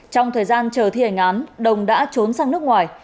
trong thời gian chờ thi hành án đồng đã trốn sang nước ngoài